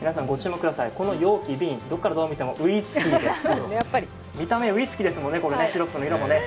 この容器、瓶、どこからどう見てもウイスキーです、見た目ウイスキーですもんね、シロップの色もね。